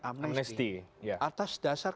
amnesti atas dasar